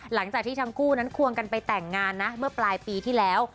หลังจากที่ทั้งคู่นั้นควงกันไปแต่งงานนะเมื่อปลายปีที่แล้ว